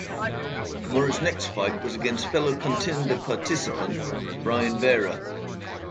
Mora's next fight was against fellow Contender participant Brian Vera.